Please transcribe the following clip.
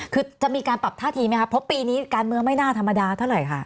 คือจะมีการปรับท่าทีไหมคะเพราะปีนี้การเมืองไม่น่าธรรมดาเท่าไหร่ค่ะ